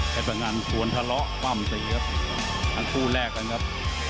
เพชรพะงันชวนทะเลาะปั้มสิครับทั้งคู่แรกกันครับ